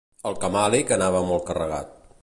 El camàlic anava molt carregat.